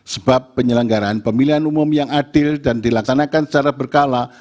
sebab penyelenggaraan pemilihan umum yang adil dan dilaksanakan secara berkala